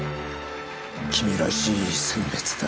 君らしい餞別だ。